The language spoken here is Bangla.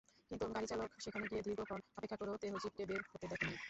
কিন্তু গাড়িচালক সেখানে গিয়ে দীর্ঘক্ষণ অপেক্ষা করেও তেহজীবকে বের হতে দেখেননি।